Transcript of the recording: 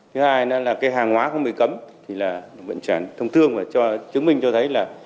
thứ hai nữa là cái hàng hóa không bị cấm thì là vận chuyển thông thương và cho chứng minh cho thấy là